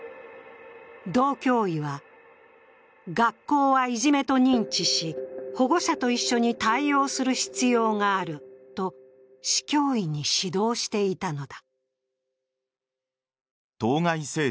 道教委は学校はいじめと認知し、保護者と一緒に対応する必要があると市教委に指導していたのだ。